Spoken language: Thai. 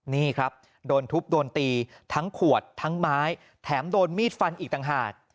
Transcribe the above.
นี่ครับโดนทุบโดนตีทั้งขวดทั้งไม้แถมโดนมีดฟันอีกต่างหาก